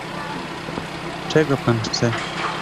"czego pan chce?"